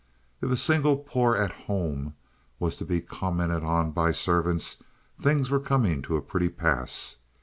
If a single poor "at home" was to be commented on by servants, things were coming to a pretty pass.